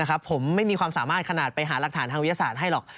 ผมไม่มีความสามารถขนาดไปหารักฐานทางวิทยาศาสตร์ให้หรอก